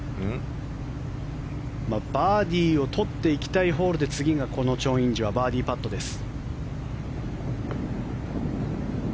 バーディーを取っていきたいホールで次がチョン・インジはバーディーパットです。